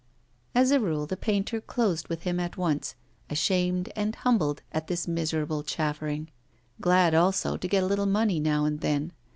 As a rule the painter closed with him at once, ashamed and humbled at this miserable chaffering, glad also to get a little money now and then.